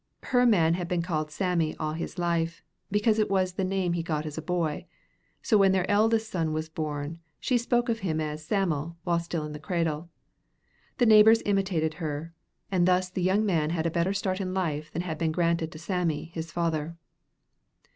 Her man had been called Sammy all his life, because it was the name he got as a boy, so when their eldest son was born she spoke of him as Sam'l while still in his cradle. The neighbors imitated her, and thus the young man had a better start in life than had been granted to Sammy, his father.